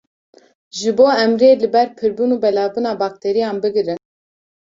Ji bo em rê li ber pirbûn û belavbûna bakterîyan bigirin.